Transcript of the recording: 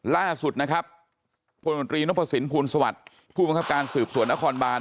ล่าสุดผลวัตรีนพศิลป์ภูมิสวรรค์ผู้บังคับการณ์สืบสวนอครบาล